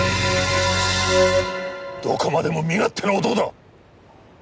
どこまでも身勝手な男だ！